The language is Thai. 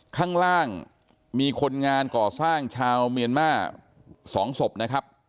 ข้างล่างมีคนงานก่อสร้างชาวเมียนมาร์๒ศพนะครับ